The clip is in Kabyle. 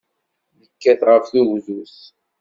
Nekkat ɣef tugdut.